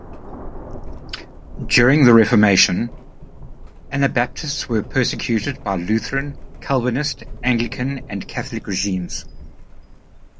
During the Reformation, Anabaptists were persecuted by Lutheran, Calvinist, Anglican and Catholic regimes.